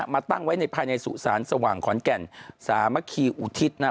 ตั้งไว้ในภายในสุสานสว่างขอนแก่นสามัคคีอุทิศนะ